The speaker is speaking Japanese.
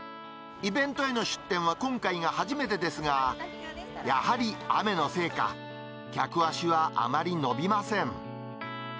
イベントへの出店は今回が初めてですが、やはり雨のせいか、客足はあまり伸びません。